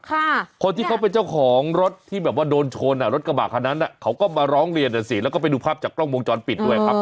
คนที่เขาเป็นเจ้าของรถที่แบบว่าโดนชนอ่ะรถกระบะคันนั้นอ่ะเขาก็มาร้องเรียนอ่ะสิแล้วก็ไปดูภาพจากกล้องวงจรปิดด้วยครับ